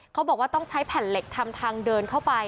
เขาบอกว่าต้องใช้แผ่นเหล็กทำทางเดินเข้าไป